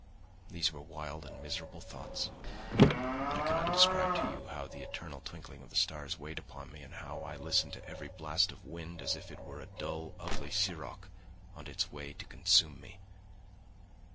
These were wild and miserable thoughts, but I cannot describe to you how the eternal twinkling of the stars weighed upon me and how I listened to every blast of wind as if it were a dull ugly siroc on its way to consume me.